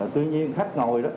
tuy nhiên khách ngồi đó